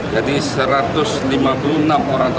jadi satu ratus lima puluh enam orang tersebut